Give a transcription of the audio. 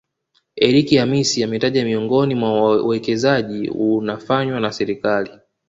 Eric Hamisi ametaja miongoni mwa uwekezaji unafanywa na Serikali